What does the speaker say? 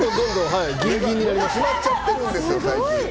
決まっちゃってるんですよ、最近。